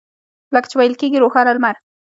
لکه چې ویل کېږي روښانه لمر.